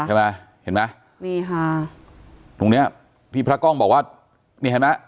เห็นไหมเห็นไหมนี่ค่ะตรงเนี้ยที่พระกล้องบอกว่านี่เห็นไหม